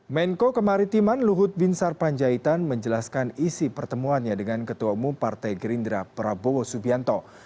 menko kemaritiman luhut bin sarpanjaitan menjelaskan isi pertemuannya dengan ketua umum partai gerindra prabowo subianto